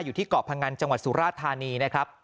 อยู่ที่เกาะพงันจังหวัดสุราธานีนะครับ